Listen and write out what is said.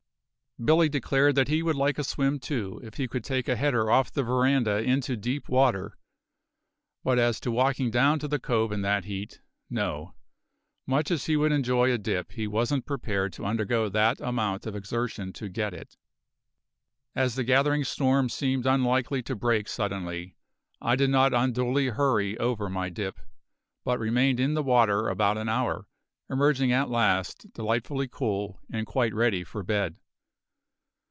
Billy declared that he would like a swim too, if he could take a header off the veranda into deep water; but as to walking down to the cove in that heat no; much as he would enjoy a dip he wasn't prepared to undergo that amount of exertion to get it. As the gathering storm seemed unlikely to break suddenly, I did not unduly hurry over my dip, but remained in the water about an hour, emerging at last delightfully cool, and quite ready for bed.